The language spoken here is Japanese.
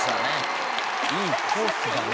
「いいコースだね」